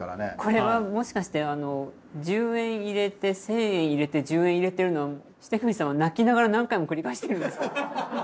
これはもしかして１０円入れて１０００円入れて１０円入れてるのは為栗さんは泣きながら何回も繰り返してるんですか？